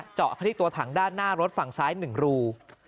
เจาะเข้าที่ตัวถังด้านหน้ารถฝั่งซ้าย๑รู